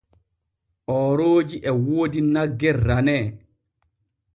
Oorooji e woodi nagge ranee.